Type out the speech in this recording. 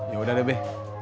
yaudah deh be